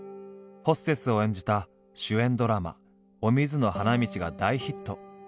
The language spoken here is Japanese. ホステスを演じた主演ドラマ「お水の花道」が大ヒット。